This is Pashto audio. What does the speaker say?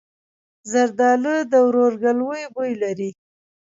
زردالو د ورورګلوۍ بوی لري.